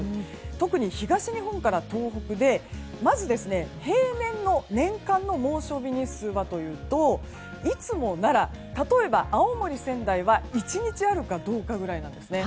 特に東日本から東北でまず、平年の年間の猛暑日日数はというといつもなら例えば青森、仙台は１日あるかどうかぐらいなんですね。